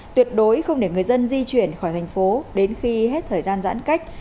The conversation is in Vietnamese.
tuyệt đối không để người dân di chuyển khỏi thành phố đến khi hết thời gian giãn cách